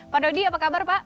pak dodi apa kabar pak